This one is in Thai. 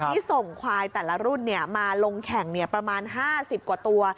ที่ส่งควายแต่ละรุ่นมาลงแข่งประมาณ๕๐กว่าตัว